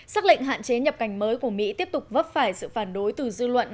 xác lệnh hạn chế nhập cảnh mới của mỹ tiếp tục vấp phải sự phản đối từ dư luận